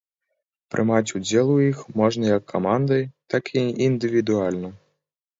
Прымаць удзел у іх можна як камандай, так і індывідуальна.